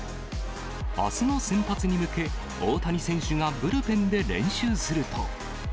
あすの先発に向け、大谷選手がブルペンで練習すると。